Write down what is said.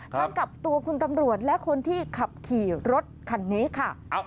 ทั้งกับตัวคุณตำรวจและคนที่ขับขี่รถคันนี้ค่ะ